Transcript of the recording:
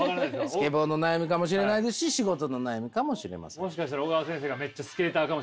スケボーの悩みかもしれないですし仕事の悩みかもしれません。